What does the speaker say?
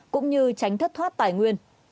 cũng như tránh thất thoát tài nguyên